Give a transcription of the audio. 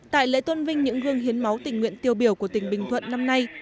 tại lễ tôn vinh những gương hiến máu tình nguyện tiêu biểu của tỉnh bình thuận năm nay